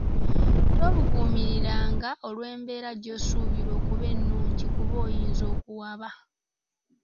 Tobuguumiriranga olw’embeera gy’osuubira okuba ennungi kuba oyinza okuwaba.